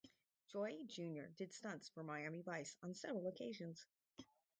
Joie Junior did stunts for "Miami Vice" on several occasions.